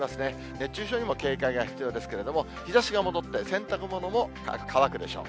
熱中症にも警戒が必要ですけれども、日ざしが戻って、洗濯物も乾くでしょう。